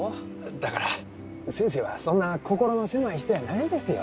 だから先生はそんな心の狭い人やないですよ。